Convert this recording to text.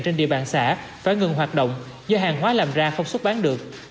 trên địa bàn xã phải ngừng hoạt động do hàng hóa làm ra không xuất bán được